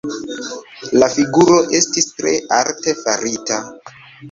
La figuro estis tre arte farita.